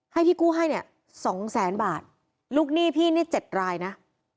ให้ที่กู้ให้เนี่ยสองแสนบาทลูกหนี้พี่นี่เจ็ดรายนะ